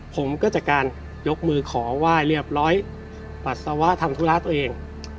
ผมก็จากการยกมือขอไหว้เรียบร้อยปัสสาวะทำธุระตัวเอง